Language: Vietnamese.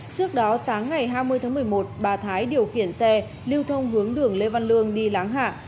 trước đó sáng ngày hai mươi tháng một mươi một bà thái điều khiển xe lưu thông hướng đường lê văn lương đi láng hạ